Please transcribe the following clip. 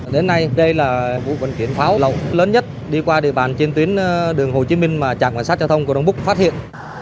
đến nay đây là vụ vận chuyển pháo lậu lớn nhất đi qua địa bàn trên tuyến đường hồ chí minh mà trạm cảnh sát giao thông cầu đông búc phát hiện